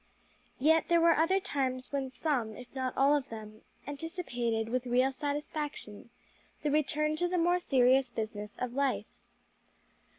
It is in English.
Yet there were other times when some, if not all of them, anticipated, with real satisfaction, the return to the more serious business of life.